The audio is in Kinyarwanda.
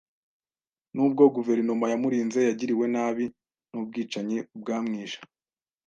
N'ubwo guverinoma yamurinze, yagiriwe nabi n’ubwicanyi bwamwishe.